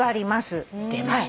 出ました。